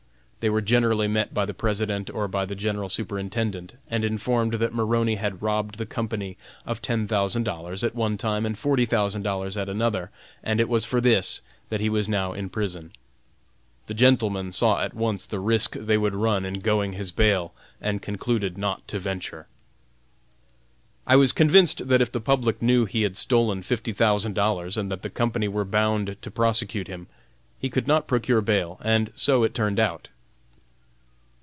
They were generally met by the President or by the General Superintendent and informed that Maroney had robbed the company of ten thousand dollars at one time and forty thousand dollars at another, and it was for this that he was now in prison. The gentlemen saw at once the risk they would run in going his bail and concluded not to venture. I was convinced that if the public knew he had stolen fifty thousand dollars and that the company were bound to prosecute him, he could not procure bail, and so it turned out.